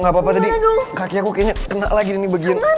gak apa apa tadi kaki aku kayaknya kena lagi di bagian